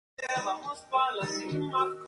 El autor del libreto es desconocido.